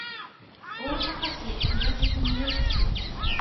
大阪市東住吉区